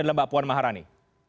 adalah mbak puan maharani